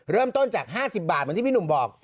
เริ่มต้นจาก๕๐บาทเหมือนที่พี่หนุ่มบอก